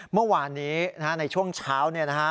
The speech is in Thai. เมื่อวานนี้ในช่วงเช้า